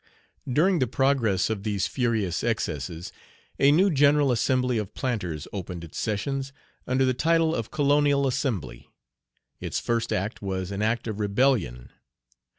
During the progress of these furious excesses, a new General Assembly of Planters opened its sessions, under the title of "Colonial Assembly." Its first act was an act of rebellion.